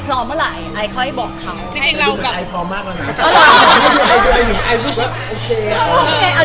เป็นงานขอแล้วโดยที่เรารู้ว่า